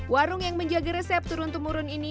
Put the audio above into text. warung yang menjaga resep turun temurun ini